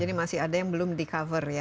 jadi masih ada yang belum di cover ya